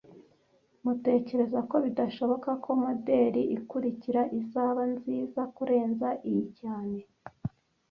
Tmutekereza ko bidashoboka ko moderi ikurikira izaba nziza kurenza iyi cyane